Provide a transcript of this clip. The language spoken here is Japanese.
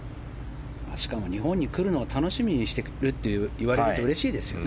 しかも日本に来るのを楽しみにしてるって言われるとうれしいですよね。